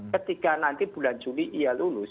ketika nanti bulan juli ia lulus